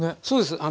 そうです。